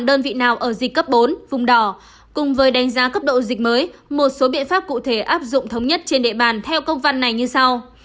đơn vị nào ở dịch cấp bốn vùng đỏ cùng với đánh giá cấp độ dịch mới một số biện pháp cụ thể áp dụng thống nhất trên địa bàn theo công văn này như sau